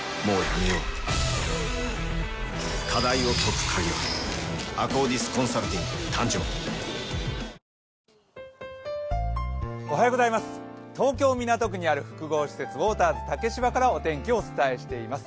お化けフォーク⁉東京・港区にある複合施設、ウォーターズ竹芝から天気をお伝えしています。